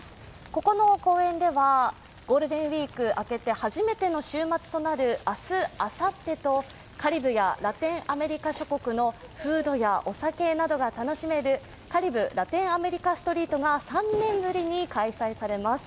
ここの公園ではゴールデンウイーク明けて初めての週末となる明日、あさってと、カリブやラテンアメリカ諸国のフードやお酒などが楽しめるカリブ・ラテンアメリカストリートが３年ぶりに開催されます。